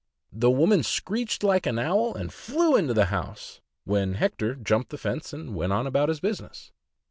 The woman screeched like an owl, and flew into the house, when Hector jumped the fence and went off about his business.